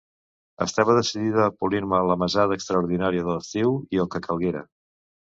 Estava decidida a polir-me la mesada extraordinària de l'estiu i el que calguera!